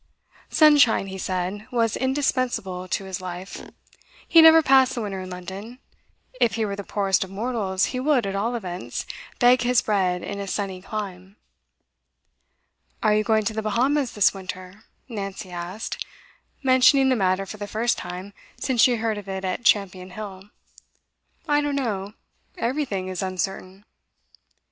Sunshine, he said, was indispensable to his life; he never passed the winter in London; if he were the poorest of mortals, he would, at all events, beg his bread in a sunny clime. 'Are you going to the Bahamas this winter?' Nancy asked, mentioning the matter for the first time since she heard of it at Champion Hill. 'I don't know. Everything is uncertain.